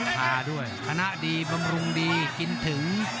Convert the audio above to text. พาด้วยคณะดีบำรุงดีกินถึง